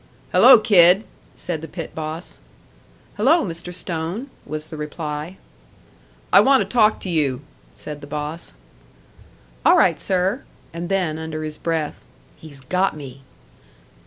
"Hello, kid," said the pit boss. "Hello, Mr. Stone," was the reply. "I want to talk to you," said the boss. "All right, sir." And then, under his breath, "He's got me!"